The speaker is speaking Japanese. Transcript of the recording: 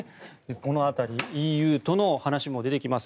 この辺りＥＵとの話も出てきます。